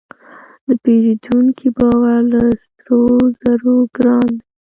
د پیرودونکي باور له سرو زرو ګران دی.